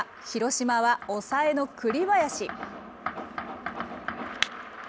広島は抑えの栗林。